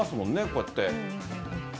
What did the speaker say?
こうやって。